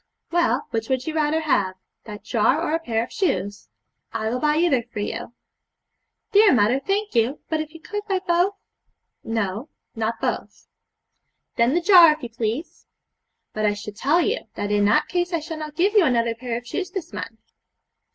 'Well, which would you rather have that jar or a pair of shoes? I will buy either for you.' 'Dear mother, thank you! but if you could buy both?' 'No, not both.' 'Then the jar, if you please.' 'But I should tell you, that in that case I shall not give you another pair of shoes this month.'